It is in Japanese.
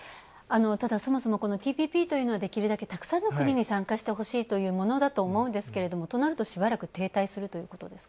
ただ、そもそもＴＰＰというのはできるだけたくさんの国に参加してほしいというものだと思うんですけども、となると、しばらく停滞するということですか？